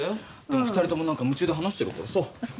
でも２人ともなんか夢中で話してるからさ。